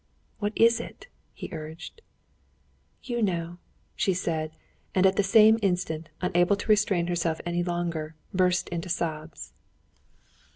"What is it?" he urged. "You know," she said, and at the same instant, unable to restrain herself any longer, she burst into sobs.